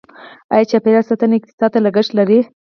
آیا چاپیریال ساتنه اقتصاد ته لګښت لري؟